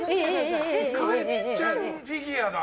郁恵ちゃんフィギュアだ。